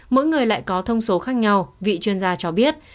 mỗi người lại có thông số khác nhau vị chuyên gia cho biết